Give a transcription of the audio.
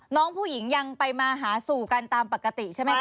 น้องผู้หญิงยังไปมาหาสู่กันตามปกติใช่ไหมคะ